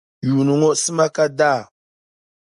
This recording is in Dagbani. Yuuni ŋɔ sima ka daa.